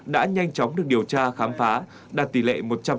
đã nhanh chóng được điều tra khám phá đạt tỷ lệ một trăm linh